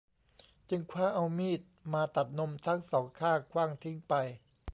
จึงคว้าเอามีดมาตัดนมทั้งสองข้างขว้างทิ้งไป